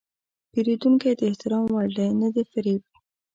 پیرودونکی د احترام وړ دی، نه د فریب.